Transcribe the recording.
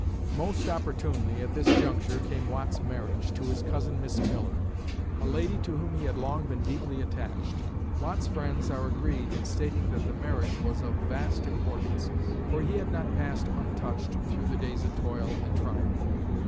Most opportunely, at this juncture, came Watt's marriage, to his cousin Miss Miller, a lady to whom he had long been deeply attached. Watt's friends are agreed in stating that the marriage was of vast importance, for he had not passed untouched through the days of toil and trial.